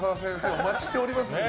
お待ちしておりますので。